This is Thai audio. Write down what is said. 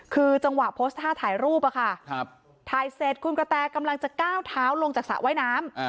คือจังหวะโพสต์ท่าถ่ายรูปอะค่ะถ่ายเสร็จคุณกระแตกำลังจะก้าวเท้าลงจากสระว่ายน้ำ